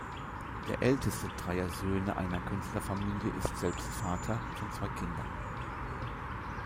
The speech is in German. Der älteste dreier Söhne einer Künstlerfamilie ist selbst Vater von zwei Kindern.